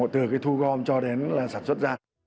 từ cái thu gom cho đến sản xuất ra